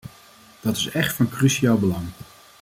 Dat is echt van cruciaal belang.